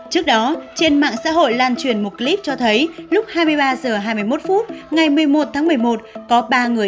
trước đó trên mạng xã hội lan truyền một clip cho thấy lúc hai mươi ba h hai mươi một phút ngày một mươi một tháng một mươi một có ba người